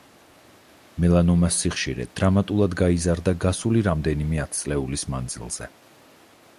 მელანომას სიხშირე დრამატულად გაიზარდა გასული რამდენიმე ათწლეულის მანძილზე.